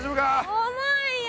重いよ！